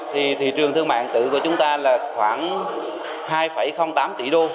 thì thị trường thương mại điện tử của chúng ta là khoảng hai tám tỷ đô